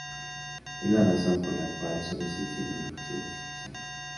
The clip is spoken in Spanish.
Es la razón por la cual solo se enciende en ocasiones especiales.